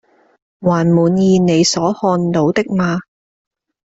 還滿意你所看到的嗎？